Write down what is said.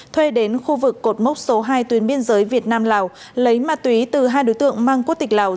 thuê đến khu vực cột mốc số hai tuyến biên giới việt nam lào lấy ma túy từ hai đối tượng mang quốc tịch lào